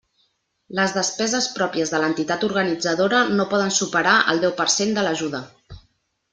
Les despeses pròpies de l'entitat organitzadora no poden superar el deu per cent de l'ajuda.